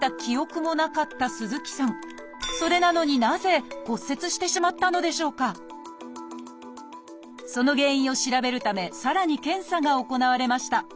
それなのにその原因を調べるためさらに検査が行われました。